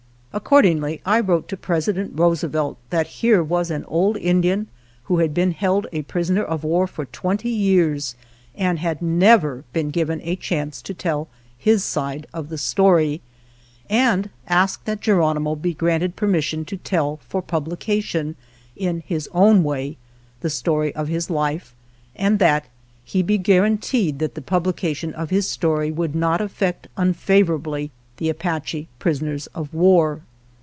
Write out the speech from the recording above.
Accordingly I wrote to President Roosevelt that here was an old Indian who had been held a prisoner of war for twenty years and had never been given a chance to tell his side of the story, and asked that Geronimo be granted permission to tell for publication, in his own way, the story of his life, and that he be guaranteed that the publication of his story would not affect unfavorably the Apache prisoners of war.